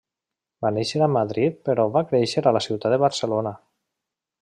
Va néixer a Madrid però va créixer a la ciutat de Barcelona.